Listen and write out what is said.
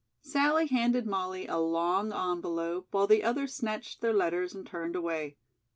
Sallie handed Molly a long envelope, while the others snatched their letters and turned away.